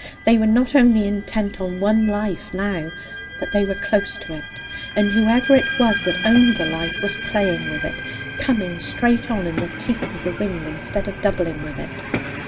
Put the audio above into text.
They were not only intent on one life now, but they were close to it. And whoever it was that owned the life was playing with it, coming straight on in the teeth of the wind instead of doubling with it.